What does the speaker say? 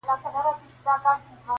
چي به د اور له پاسه اور راځي-